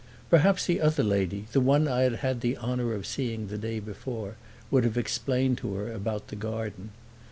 Perhaps the other lady, the one I had had the honor of seeing the day before, would have explained to her about the garden.